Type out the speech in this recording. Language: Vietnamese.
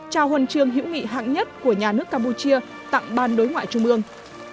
trao huân chương hữu nghị hạng nhất của nhà nước campuchia tặng ban đối ngoại trung ương